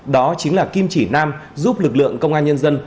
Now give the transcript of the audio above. đó chính là kim chỉ nam giúp lực lượng công an nhân dân